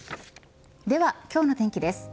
では、今日の天気です。